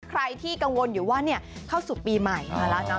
ใครที่กังวลอยู่ว่าเข้าสู่ปีใหม่มาแล้วเนาะ